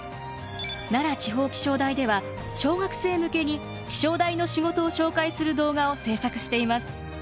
奈良地方気象台では小学生向けに気象台の仕事を紹介する動画を制作しています。